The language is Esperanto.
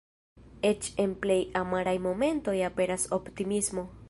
Eĉ en plej amaraj momentoj aperas optimismo.